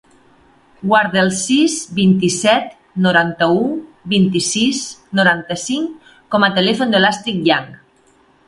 Guarda el sis, vint-i-set, noranta-u, vint-i-sis, noranta-cinc com a telèfon de l'Astrid Yang.